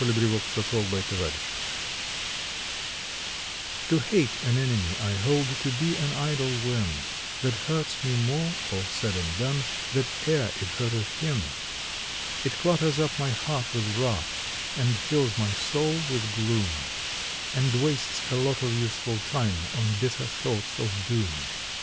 June Twenty second SHEER WASTE T^O hate an enemy I hold to be an idle whim That hurts me more, all said and done, than e er it hurteth him. It clutters up my heart with wrath, and fills my soul with gloom, And wastes a lot of useful time on bitter thoughts of doom.